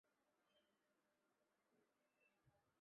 检察官业绩考评